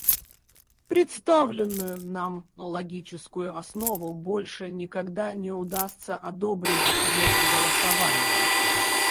Представленную нам логическую основу больше никогда не удастся одобрить без голосования.